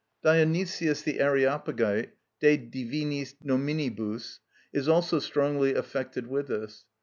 Dionysius the Areopagite, "De Divinis Nominibus," is also strongly affected with this.